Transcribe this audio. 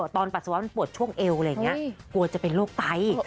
ปัสสาวะมันปวดช่วงเอวอะไรอย่างนี้กลัวจะเป็นโรคไต